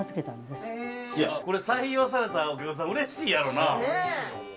いやこれ採用されたお客さんうれしいやろな。ねぇ。